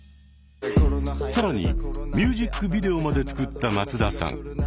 更にミュージックビデオまで作った松田さん。